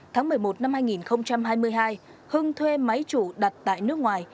tháng một mươi một năm hai nghìn hai mươi hai hưng thuê máy chủ đặt tại nước ngoài